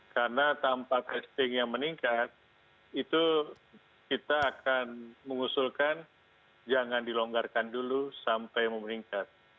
karena tanpa testing yang meningkat itu kita akan mengusulkan jangan dilonggarkan dulu sampai memeningkat